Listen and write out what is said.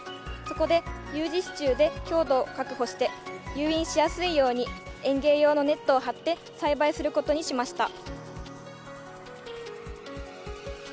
そこでＵ字支柱で強度を確保して誘引しやすいように園芸用のネットを張って栽培することにしました。